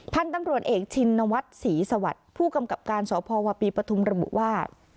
พันธุ์ตำรวจเอกชินวัฒน์ศรีสวัสดิ์ผู้กำกับการสพวปีปฐุมระบุว่า